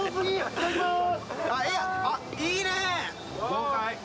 いただきまーす！